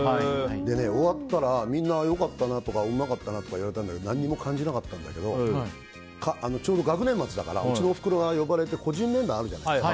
終わったらみんな良かったなとかうまかったなとか言われたんだけど何も感じなかったんだけどちょうど学年末だからうちのおふくろが呼ばれて個人面談があるじゃないですか。